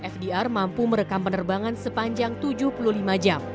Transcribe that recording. fdr mampu merekam penerbangan sepanjang tujuh puluh lima jam